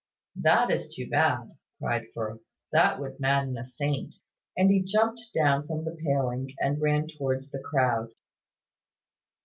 "That is too bad!" cried Firth. "That would madden a saint." And he jumped down from the paling and ran towards the crowd.